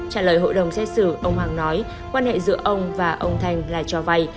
trả lời hội đồng xét xử ông hoàng nói quan hệ giữa ông và ông thành là cho vay